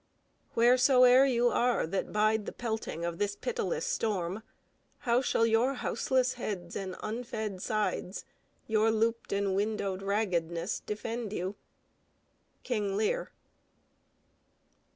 Wheresoe'er you are That bide the pelting of this pitiless storm, How shall your houseless heads and unfed sides, Your looped and windowed raggedness, defend you? KING LEAR.